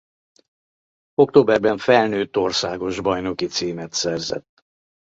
Októberben felnőtt országos bajnoki címet szerzett.